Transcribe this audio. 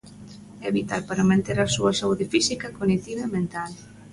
É vital para manter a súa saúde física, cognitiva e mental.